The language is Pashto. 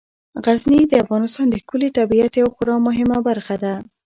غزني د افغانستان د ښکلي طبیعت یوه خورا مهمه برخه ده.